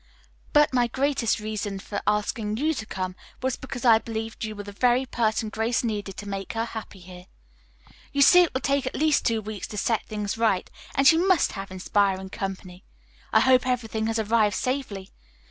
But my greatest reason for asking you to come was because I believed you were the very person Grace needed to make her happy here. You see it will take at least two weeks to set things to rights and she must have inspiring company. I hope everything has arrived safely.